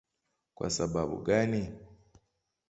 Kwa sababu gani?